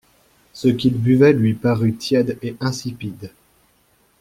Ce qu'il buvait lui parut tiède et insipide.